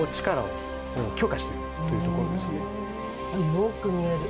よく見える。